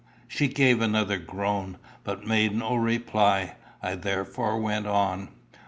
She gave another groan, but made no reply. I therefore went on.